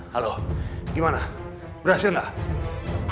halo gimana berhasil gak